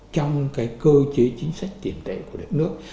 trong cái cơ chế chính sách tiền tệ của đất nước